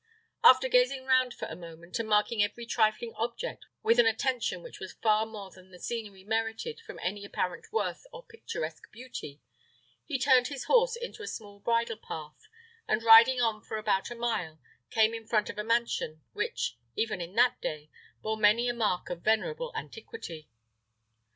After gazing round for a moment, and marking every trifling object with an attention which was far more than the scenery merited from any apparent worth or picturesque beauty, he turned his horse into a small bridle path, and riding on for about a mile, came in front of a mansion, which, even in that day, bore many a mark of venerable antiquity.